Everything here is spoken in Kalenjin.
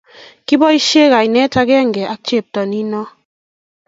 Kiboisien kainet agenge ak chepto nino